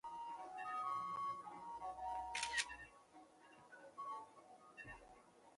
本列表为中华民国及中华人民共和国驻马来西亚历任大使名录。